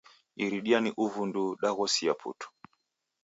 Iridia ni uvu nduu, daghosia putu.